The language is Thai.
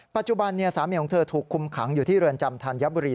ปัจจุบันสามีของเธอถูกคุมขังอยู่ที่เรือนจำธัญบุรี